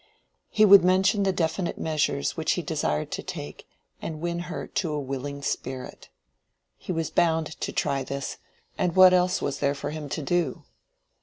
He would mention the definite measures which he desired to take, and win her to a willing spirit. He was bound to try this—and what else was there for him to do?